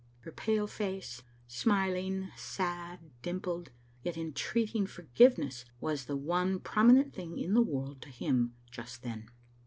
Her pale face, smiling, sad, dimpled, yet entreating forgiveness, was the one promi nent thing in the world to him just then.